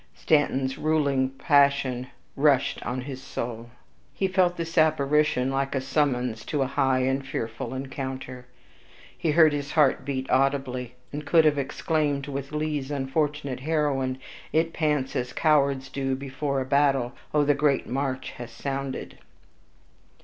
Stanton's ruling passion rushed on his soul; he felt this apparition like a summons to a high and fearful encounter. He heard his heart beat audibly, and could have exclaimed with Lee's unfortunate heroine, "It pants as cowards do before a battle; Oh the great march has sounded!"